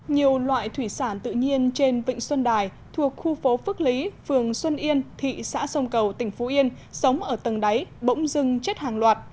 nhiều loại thủy sản tự nhiên trên vịnh xuân đài thuộc khu phố phước lý phường xuân yên thị xã sông cầu tỉnh phú yên sống ở tầng đáy bỗng dưng chết hàng loạt